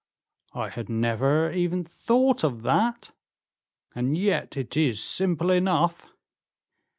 "I had never even thought of that, and yet it is simple enough."